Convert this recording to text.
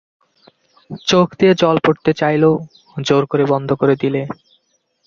চোখ দিয়ে জল পড়তে চাইল, জোর করে বন্ধ করে দিলে।